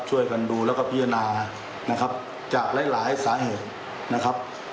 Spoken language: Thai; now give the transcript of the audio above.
ช่วยกันดูแล้วก็พิจารณานะครับจากหลายหลายสาเหตุนะครับ